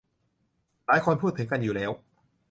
หลายคนพูดถึงกันอยู่แล้ว